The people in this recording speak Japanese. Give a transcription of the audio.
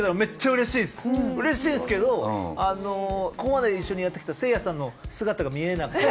うれしいですけどここまで一緒にやってきたせいやさんの姿が見えなくて。